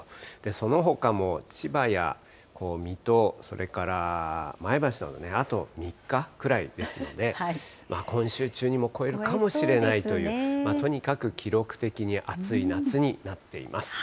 そのほかも千葉や水戸、それから前橋などはあと３日くらいですので、今週中にも超えるかもしれないという、とにかく記録的に暑い夏になっています。